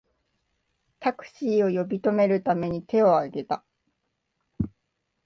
タクシーを呼び止めるために手をあげた